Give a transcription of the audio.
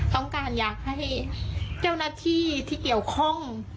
ต้องการอยากให้เจ้าหน้าที่ที่เกี่ยวข้อง